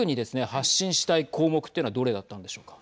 発信したい項目というのはどれだったんでしょうか。